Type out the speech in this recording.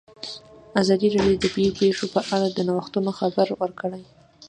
ازادي راډیو د طبیعي پېښې په اړه د نوښتونو خبر ورکړی.